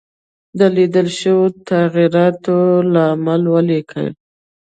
د لیدل شوو تغیراتو لامل ولیکئ.